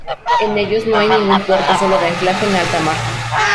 En ellos no hay ningún puerto sólo de anclaje en alta mar.